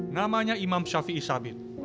namanya imam shafi'i sabit